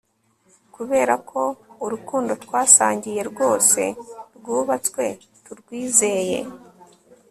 kuberako urukundo twasangiye rwose rwubatswe turwizeye